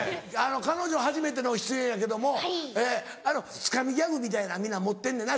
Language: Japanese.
彼女初めての出演やけどもあのつかみギャグみたいな皆持ってんねんな